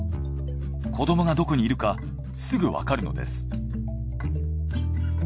子どもがどこにいるかすぐわかるのです。